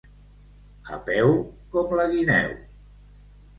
A peu com la guineu.